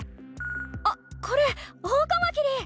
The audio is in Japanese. あっこれオオカマキリ！